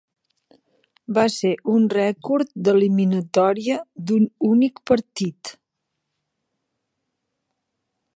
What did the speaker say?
Va ser un rècord d'eliminatòria d'un únic partit.